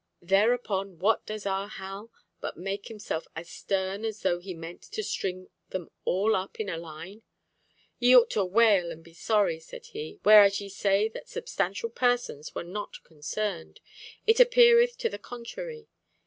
Thereupon what does our Hal but make himself as stern as though he meant to string them all up in a line. 'Ye ought to wail and be sorry,' said he, 'whereas ye say that substantial persons were not concerned, it appeareth to the contrary.